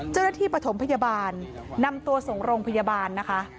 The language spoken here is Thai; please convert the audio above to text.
เจ้าหน้าที่ประถมพยาบาลนำตัวสงโรงพยาบาลนะคะ